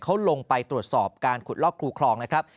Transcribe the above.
เขาลงไปตรวจสอบการขุดลอกคูคลองนะครับ